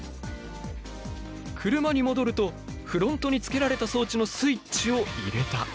車に戻るとフロントにつけられた装置のスイッチを入れた。